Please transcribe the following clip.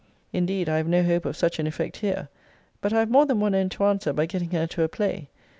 Indeed, I have no hope of such an effect here; but I have more than one end to answer by getting her to a play.